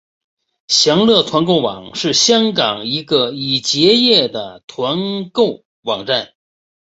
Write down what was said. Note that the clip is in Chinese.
享乐团购网是香港一个已结业的团购网站。